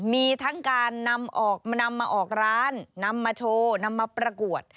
มีทั้งการนำออกมานำมาออกร้านนำมาโชว์นำมาประกวด